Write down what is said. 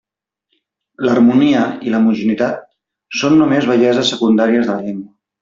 L'harmonia i l'homogeneïtat són només belleses secundàries de la llengua.